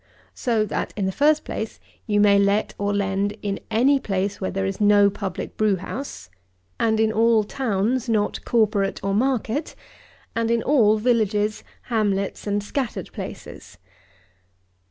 So that, in the first place, you may let, or lend, in any place where there is no public brewhouse; and in all towns not corporate or market, and in all villages, hamlets, and scattered places.